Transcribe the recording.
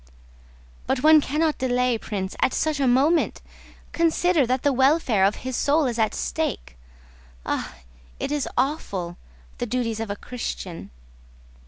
"But one cannot delay, Prince, at such a moment! Consider that the welfare of his soul is at stake. Ah, it is awful: the duties of a Christian..."